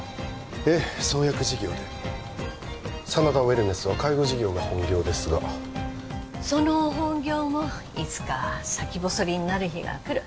ええ創薬事業で真田ウェルネスは介護事業が本業ですがその本業もいつか先細りになる日が来る